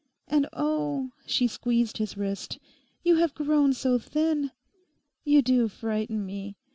And oh'—she squeezed his wrist—'you have grown so thin! You do frighten me.